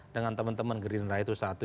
dengan teman teman gerindra itu satu